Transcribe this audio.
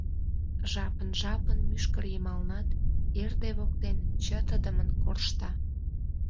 Жапын-жапын мӱшкыр йымалнат, эрде воктен, чытыдымын коршта...